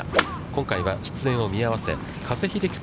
今回は出演を見合わせ、加瀬秀樹